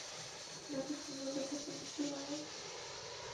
আপনাকে সুন্দর দেখাচ্ছে, মিঃ রাইম।